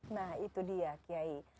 nah itu dia kiai